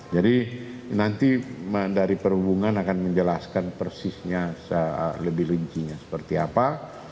jadi nanti dari perhubungan akan menjelaskan persisnya lebih rincinya seperti apa